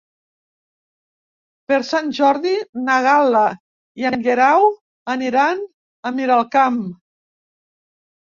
Per Sant Jordi na Gal·la i en Guerau aniran a Miralcamp.